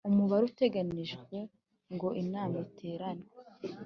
Umubare uteganijwe ngo inama iterane